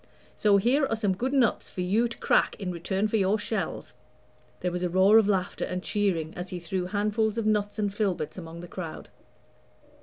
So here are some good nuts for you to crack in return for your shells." There was a roar of laughter and cheering as he threw handfuls of nuts and filberts among the crowd.